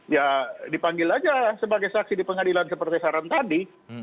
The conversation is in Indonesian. ya dipanggil saja sebagai saksi di pengadilan seperti saran tadi